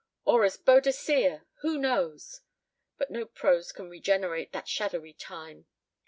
. or as Boadicea who knows! But no prose can regenerate that shadowy time.